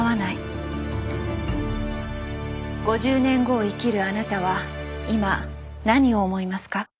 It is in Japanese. ５０年後を生きるあなたは今何を思いますか？